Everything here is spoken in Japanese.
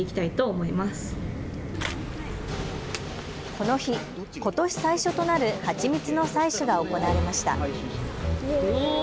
この日、ことし最初となる蜂蜜の採取が行われました。